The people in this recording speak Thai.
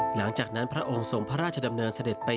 หลังจากนั้นพระองค์ทรงพระราชดำเนินเสด็จไป